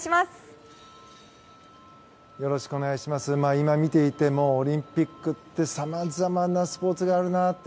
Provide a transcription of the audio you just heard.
今見ていてもオリンピックってさまざまなスポーツがあるなと。